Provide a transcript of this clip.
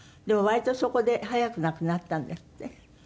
でも割とそこで早く亡くなったんですって？